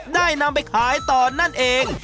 ได้นำไปขายต่อนั่นเอง